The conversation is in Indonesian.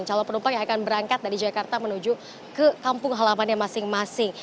calon penumpang yang akan berangkat dari jakarta menuju ke kampung halamannya masing masing